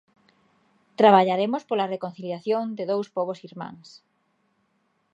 "Traballaremos pola reconciliación de dous pobos irmáns".